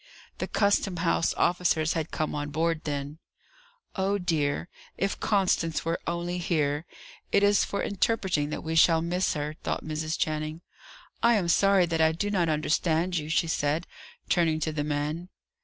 The Custom House officers had come on board then. "Oh, dear, if Constance were only here! It is for interpreting that we shall miss her," thought Mrs. Channing. "I am sorry that I do not understand you," she said, turning to the man.